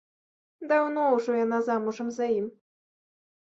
Даўно ўжо яна замужам за ім.